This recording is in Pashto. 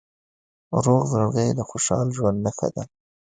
روغ زړګی د خوشحال ژوند نښه ده.